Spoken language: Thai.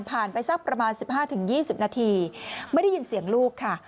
ไปสักประมาณ๑๕๒๐นาทีไม่ได้ยินเสียงลูกค่ะ